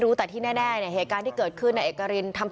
รู้แต่ที่แน่แน่น่ะเนี่ยเหตุการณ์ที่เกิดขึ้นไหนเอการิน